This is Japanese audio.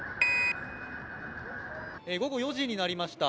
午後４時になりました。